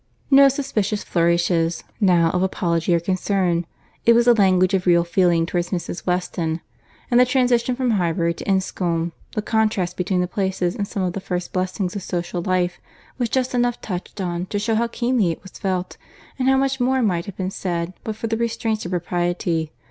No suspicious flourishes now of apology or concern; it was the language of real feeling towards Mrs. Weston; and the transition from Highbury to Enscombe, the contrast between the places in some of the first blessings of social life was just enough touched on to shew how keenly it was felt, and how much more might have been said but for the restraints of propriety.